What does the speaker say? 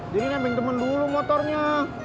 jadi naik temen dulu motornya